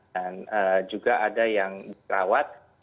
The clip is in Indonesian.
dan juga ada yang diperawat